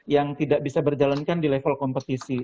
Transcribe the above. yang tidak bisa berjalankan di level kompetisi